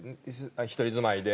１人住まいで。